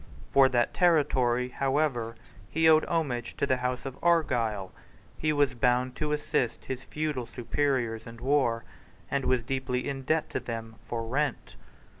For that territory, however, he owed homage to the House of Argyle. He was bound to assist his feudal superiors in war, and was deeply in debt to them for rent.